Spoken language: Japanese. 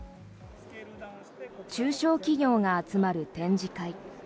中小企業が集まる展示会。